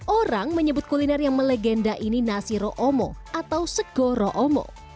orang menyebut kuliner yang melegenda ini nasi rohomo atau sego rohomo